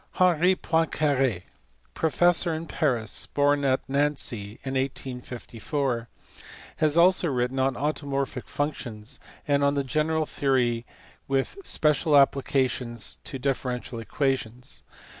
Henri Poincare, professor in Paris, born at Nancy in 1854 (see below, pp. 482, 492), has also written on automorphic functions, and on the general theory with special applications to differential equations.